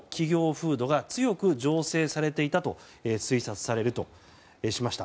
風土が強く醸成されていたと推察されるとしました。